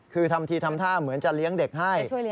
คือทำทีทำท่าเหมือนจะเลี้ยงเด็กให้